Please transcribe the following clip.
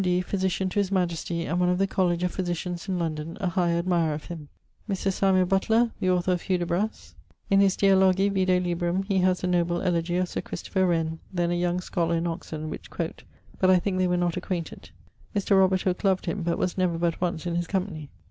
D., physitian to his majestie, and one of the Colledge of Physitians in London, a high admirer of him. Mr. Samuel Butler, the author of Hudibras. In his ... Dialogi (vide librum) he haz a noble elogie of Sir Christopher Wren, then a young scholar in Oxon, which quote; but I thinke they were not acquainted. Mr. Hooke loved him, but was never but once in his company.